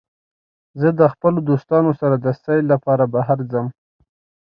زه د خپلو دوستانو سره د سیل لپاره بهر ځم.